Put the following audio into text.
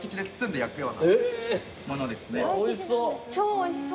おいしそう。